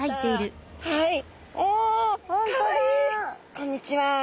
こんにちは。